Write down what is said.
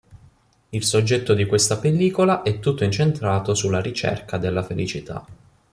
Il soggetto di questa pellicola è tutto incentrato sulla ricerca della felicità.